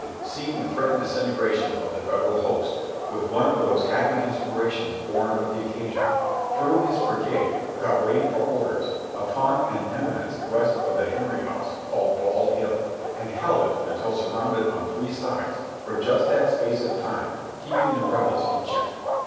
seeing the threatened disintegration of the Federal host, with one of those happy inspirations born of the occasion, threw his brigade, without waiting for orders, upon an eminence west of the Henry House called Bald Hill, and held it until surrounded on three sides, for just that space of time keeping the Rebels in check.